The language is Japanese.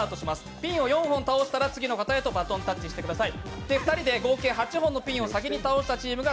ピンを４本倒したら次の方へバトンタッチしてください。